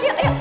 yuk yuk yuk